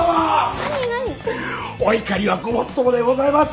お怒りはごもっともでございます。